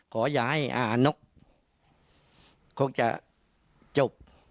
ขออยากให้นกจะจบ